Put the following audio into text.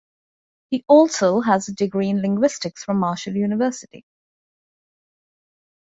He also has a degree in linguistics from Marshall University.